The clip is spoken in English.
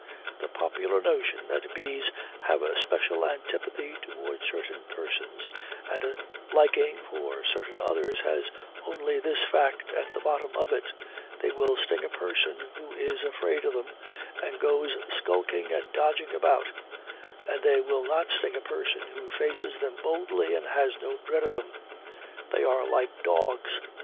The popular notion that bees have a special antipathy toward certain persons and a liking for certain others has only this fact at the bottom of it: they will sting a person who is afraid of them and goes skulking and dodging about, and they will not sting a person who faces them boldly and has no dread of them. They are like dogs.